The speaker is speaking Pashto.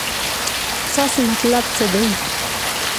ستاسې مطلب څه دی.